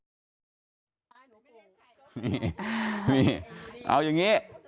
นี่เอายังงี้